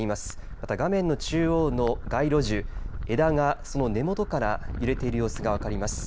また画面の中央の街路樹枝がその根元から揺れている様子が分かります。